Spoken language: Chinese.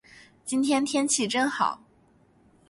今天天气真好。